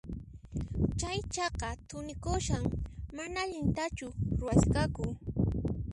Chay chaka thunikushan, manan allintachu ruwasqaku.